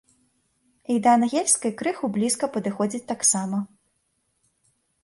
І да ангельскай крыху блізка падыходзіць таксама.